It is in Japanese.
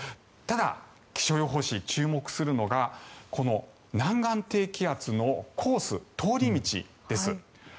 ただ、気象予報士、注目するのがこの南岸低気圧のコース通り道です。